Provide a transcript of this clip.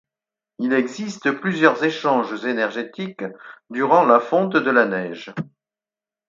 Il existe plusieurs échanges énergétiques durant la fonte de la neige.